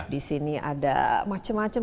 di sini ada macam macam